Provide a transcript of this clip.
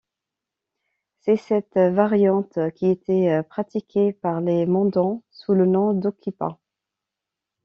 C’est cette variante qui était pratiquée par les Mandans sous le nom d’Okipa.